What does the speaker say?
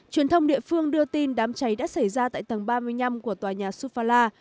truyền thông địa phương đưa tin đám cháy đã xảy ra tại tầng ba mươi năm của tòa nhà suphala